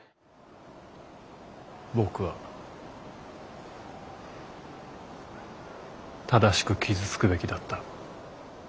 僕は正しく傷つくべきだった。